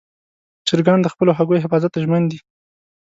چرګان د خپلو هګیو حفاظت ته ژمن دي.